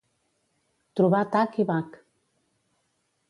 Trobar tac i bac.